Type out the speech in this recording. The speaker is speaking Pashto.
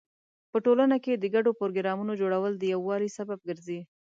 په ټولنه کې د ګډو پروګرامونو جوړول د یووالي سبب ګرځي.